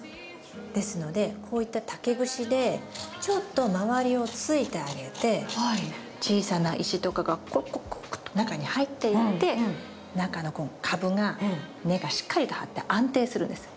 ですのでこういった竹串でちょっと周りを突いてあげて小さな石とかがコッコッコッコッと中に入っていって中のこの株が根がしっかりと張って安定するんです。